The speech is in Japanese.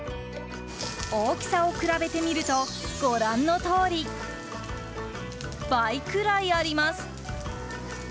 大きさを比べてみるとご覧のとおり、倍くらいあります。